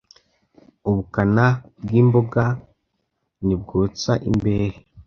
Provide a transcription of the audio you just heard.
Ubukana bw'imboga ntibwotsa imbehe